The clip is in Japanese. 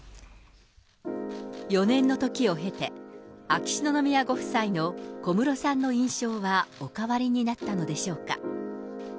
４年の時を経て、秋篠宮ご夫妻の小室さんの印象はお変わりになったのでしょうか。